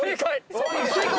正解！